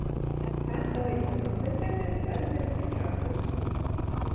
Tās palīdz tev koncentrēties, dara tevi stiprāku.